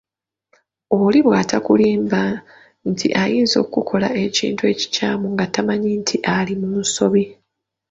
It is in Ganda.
Oli bw’atakulimba nti ayinza okukola ekintu ekikyamu nga tamanyi nti ali mu nsobi.